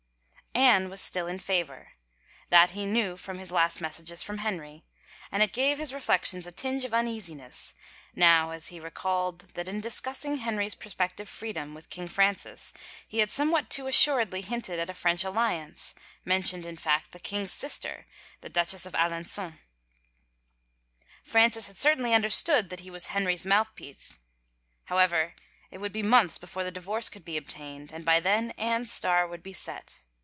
Anne was still in favor. That he knew from his last messages from Henry, and it gave his reflections a tinge of uneasiness now as he recalled that in discussing Henry's prospective freedom with King Francis he had somewhat too assuredly hinted at a French alliance, men tioned in fact, the king's sister, the Duchess of Alengon. Francis had certainly understood that he was Henry's mouthpiece. ... However, it would be months before the divorce could be obtained and by then Anne's star would be set.